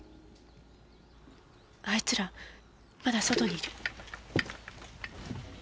あいつらまだ外にいる。